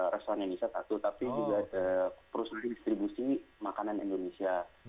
restoran indonesia satu tapi juga perusahaan distribusi makanan indonesia